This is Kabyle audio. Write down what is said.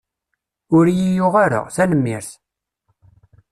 Ur iyi-yuɣ ara, tanemmirt.